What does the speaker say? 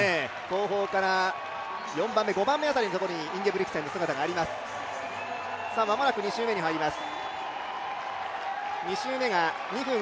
後方から４番目、５番目辺りのとこにインゲブリクセンの姿があります。